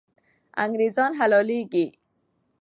انګریزان حلالېږي.